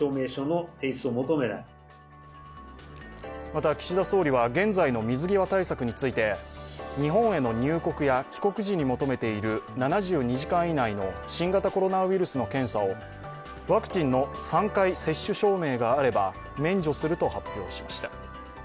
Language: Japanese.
また、岸田総理は現在の水際対策について日本への入国や帰国時に求めている７２時間以内の新型コロナウイルスの検査をワクチンの３回接種証明があれば免除すると発表しました。